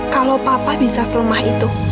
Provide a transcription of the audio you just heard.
kalau papa bisa selemah itu